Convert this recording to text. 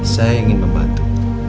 saya ingin membantu